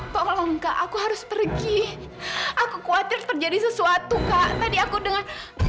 tolong enggak aku harus pergi aku khawatir terjadi sesuatu kak tadi aku dengar